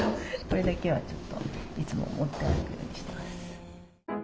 これだけはちょっといつも持って歩くようにしてます。